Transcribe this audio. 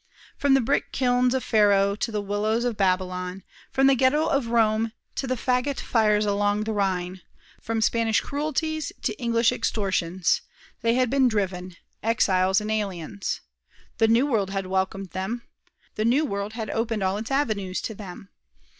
From the brick kilns of Pharaoh to the willows of Babylon, from the Ghetto of Rome to the fagot fires along the Rhine, from Spanish cruelties to English extortions, they had been driven exiles and aliens. The New World had welcomed them. The New World had opened all its avenues to them.